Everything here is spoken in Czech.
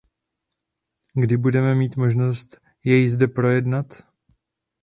Kdy budeme mít možnost jej zde projednat?